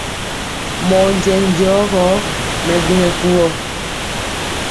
Mɔɔ njɛŋ jɔ gɔ, mɛ gwo nyɛ kuvɔ.